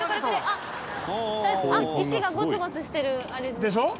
あっ石がゴツゴツしてる。でしょ？